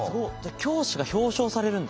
教師が表彰されるんだ。